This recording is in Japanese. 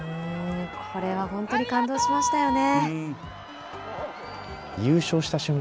これは本当に感動しましたよね。